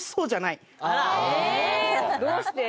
どうして？